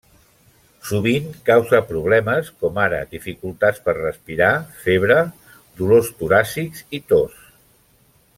Sovint causa problemes com ara dificultats per respirar, febre, dolors toràcics i tos.